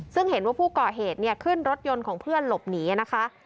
ซึ่งเห็นว่าผู้ก่อเหตุขึ้นรถยนต์ของเพื่อนหลบหนีนะคะ